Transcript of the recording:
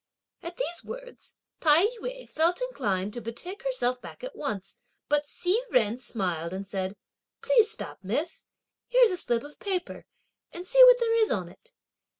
At these words, Tai yü felt inclined to betake herself back at once; but Hsi Jen smiled and said: "Please stop, miss. Here's a slip of paper, and see what there is on it!"